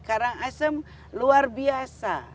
karangasem luar biasa